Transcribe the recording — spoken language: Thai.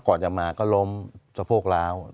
ก่อนจะมาก็ล้มสะโพกร้าว